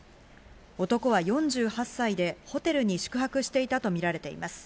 男は４８歳で、ホテルに宿泊していたとみられています。